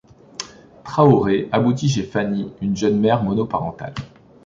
Traoré aboutit chez Fanny, une jeune mère monoparentale.